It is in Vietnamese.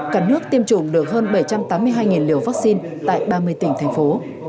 cả nước tiêm chủng được hơn bảy trăm tám mươi hai liều vaccine tại ba mươi tỉnh thành phố